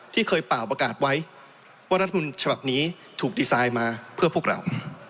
ที่เคยเป่าประกาศไว้ว่ารัฐมนต์ฉบับนี้ถูกดีไซน์มาเพื่อพวกเรา